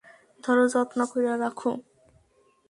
ধরো, যত্ন কইরা রাখো।